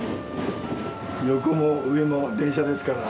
横も上も電車ですから。